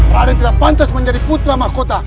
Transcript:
raden tidak pantas menjadi putra mahkota